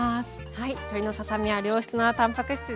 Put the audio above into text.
はい鶏のささ身は良質なたんぱく質ですからね。